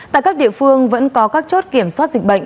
tại các địa phương vẫn có các chốt kiểm soát dịch bệnh